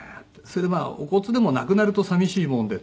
それでまあお骨でもなくなると寂しいもんで。